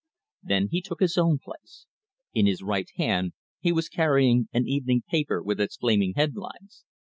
Then he took his own place. In his right hand he was carrying an evening paper with its flaming headlines.